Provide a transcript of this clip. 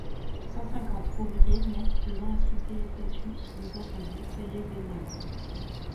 Cent-cinquante ouvriers mettent deux ans à sculpter les statues, sous les ordres de Terebeniov.